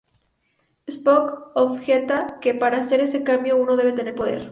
Spock objeta que para hacer ese cambio uno debe tener poder.